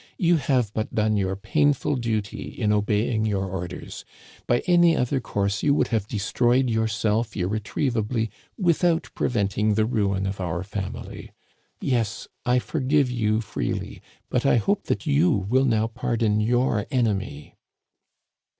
You have but done your painful duty in obeying your orders. By any other course you would have destroyed yourself irretrievably without preventing the ruin of our family. Yes, I for give you freely, but I hope that you will now pardon your enemy."